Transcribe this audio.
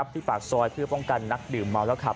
ที่ปากซอยเพื่อป้องกันนักดื่มเมาแล้วขับ